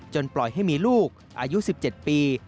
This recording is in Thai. ปล่อยให้มีลูกอายุ๑๗ปี